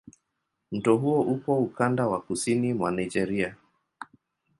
Mto huo upo ukanda wa kusini mwa Nigeria.